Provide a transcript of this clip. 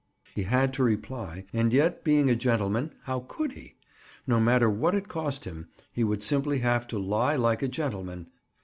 He had to reply and yet being a gentleman, how could he? No matter what it cost him, he would simply have to "lie like a gentleman."